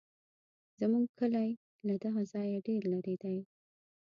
زموږ کلی له دغه ځایه ډېر لرې دی.